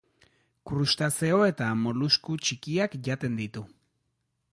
Krustazeo eta molusku txikiak jaten ditu.